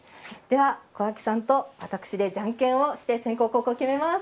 では小晶さんと私でじゃんけんをして先攻、後攻を決めます。